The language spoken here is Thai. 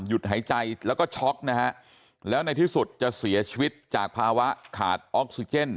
หายใจแล้วก็ช็อกนะฮะแล้วในที่สุดจะเสียชีวิตจากภาวะขาดออกซิเจน